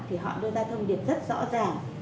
thì họ đưa ra thông điệp rất rõ ràng